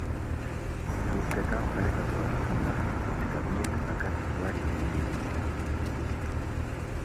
Neurketa parekatua izan da, eta biek akats ugari egin dituzte.